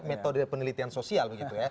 metode penelitian sosial begitu ya